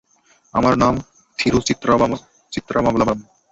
আমার নাম থিরুচিত্রাম্বালাম।